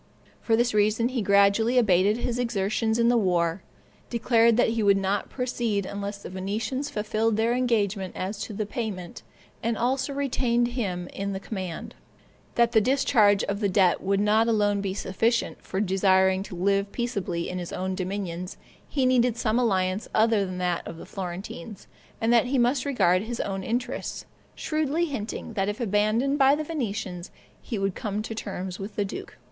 For this reason he gradually abated his exertions in the war, declared he would not proceed unless the Venetians fulfilled their engagement as to the payment, and also retained him in the command; that the discharge of the debt would not alone be sufficient, for desiring to live peaceably in his own dominions, he needed some alliance other than that of the Florentines, and that he must regard his own interests, shrewdly hinting that if abandoned by the Venetians, he would come to terms with the duke.